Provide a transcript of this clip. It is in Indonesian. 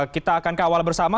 kita akan ke awal bersama